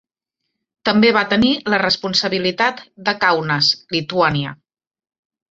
També va tenir la responsabilitat de Kaunas, Lituània.